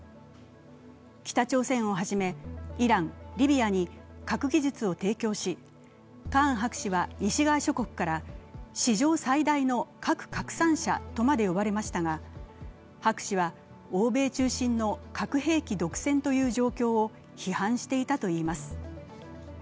北朝鮮をはじめ、イラン、リビアに核技術を提供し、カーン博士は西側諸国から史上最大の核拡散者とまでいわれましたが、博士は欧米中心の核兵器独占という状況を批判していたといいます。